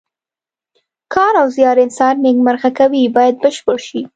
کار او زیار انسان نیکمرغه کوي باید بشپړ شي.